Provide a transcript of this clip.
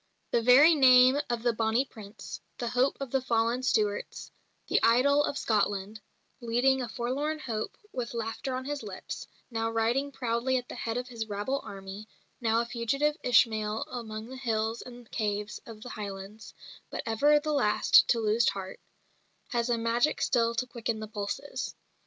The very name of the "Bonnie Prince," the hope of the fallen Stuarts, the idol of Scotland leading a forlorn hope with laughter on his lips, now riding proudly at the head of his rabble army, now a fugitive Ishmael among the hills and caves of the Highlands, but ever the last to lose heart has a magic still to quicken the pulses.